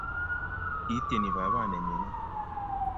Ityeni baba nemining